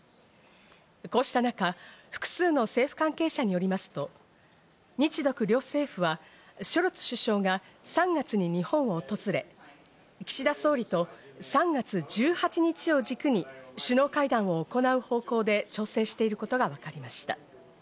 こうした中、複数の政府関係者によりますと、日独両政府はショルツ首相が３月に日本を訪れ、岸田総理と３月１８日を軸に首脳会談を行う方向で調整していることがわかりました。